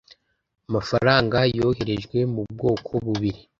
amafaranga yoherejwe mu bwoko bubiri